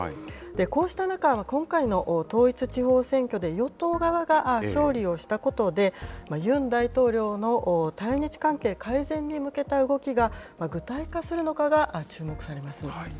こうした中、今回の統一地方選挙で、与党側が勝利をしたことで、ユン大統領の対日関係改善に向けた動きが、具体化するのかが注目されます。